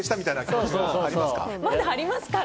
まだありますから。